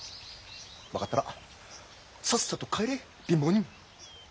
分かったらさっさと帰れ貧乏人。